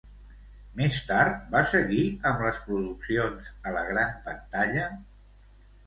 Més tard, va seguir amb les produccions a la gran pantalla?